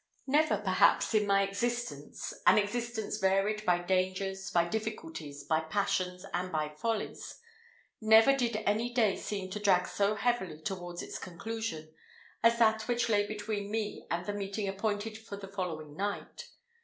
Never, perhaps, in my existence an existence varied by dangers, by difficulties, by passions, and by follies never did any day seem to drag so heavily towards its conclusion as that which lay between me and the meeting appointed for the following night.